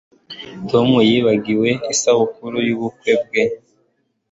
Tom yibagiwe isabukuru yubukwe bwe